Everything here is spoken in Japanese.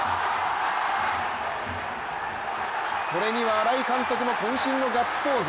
これには新井監督もこん身のガッツポーズ。